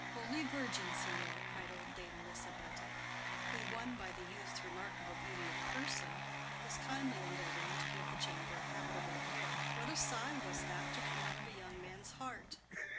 "Holy Virgin, signor!" cried old Dame Lisabetta, who, won by the youth's remarkable beauty of person, was kindly endeavoring to give the chamber a habitable air, "what a sigh was that to come out of a young man's heart!